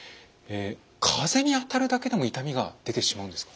風に当たるだけでも痛みが出てしまうんですか？